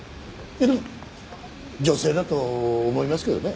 いやでも女性だと思いますけどね。